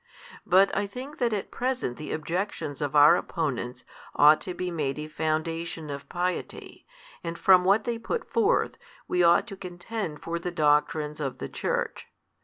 But I think that at present the objections of our opponents ought to be made a foundation of piety, and from what they put forth, we ought to contend for the doctrines of the Church.